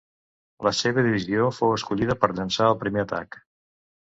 La seva Divisió fou escollida per llençar el primer atac.